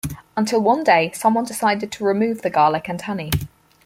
Until one day someone decided to remove the garlic and honey.